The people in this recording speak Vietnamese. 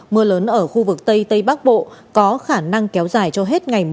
mưa lớn ở khu vực tây tây bắc bộ có khả năng kéo dài cho hết ngày